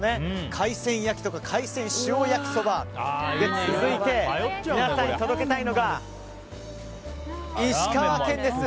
海鮮焼きとか海鮮塩焼きそば続いて、皆さんに届けたいのが石川県です。